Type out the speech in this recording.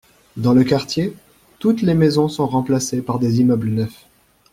Dans le quartier, toutes les maisons sont remplacées par des immeubles neufs.